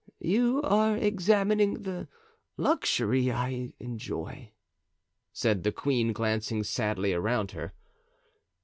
"You are examining the luxury I enjoy," said the queen, glancing sadly around her.